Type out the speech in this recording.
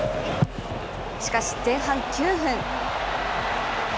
しかし、前半９分。